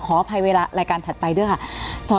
ขออภัยเวลารายการถัดไปด้วยค่ะ